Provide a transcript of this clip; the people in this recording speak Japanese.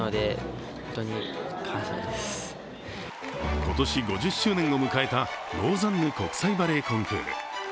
今年５０周年を迎えたローザンヌ国際バレエコンクール。